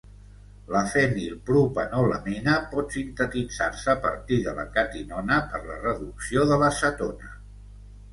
La fenilpropanolamina pot sintetitzar-se a partir de la catinona per la reducció de la cetona.